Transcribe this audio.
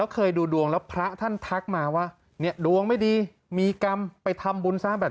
เคยดูดวงไหมครับ